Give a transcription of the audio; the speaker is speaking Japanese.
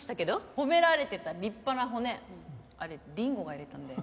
褒められてた立派な骨あれ凛吾が入れたんだよ。